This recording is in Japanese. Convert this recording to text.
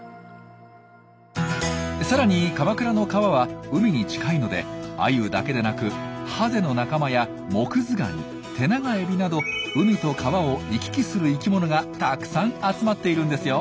さらに鎌倉の川は海に近いのでアユだけでなくハゼの仲間やモクズガニテナガエビなど海と川を行き来する生きものがたくさん集まっているんですよ。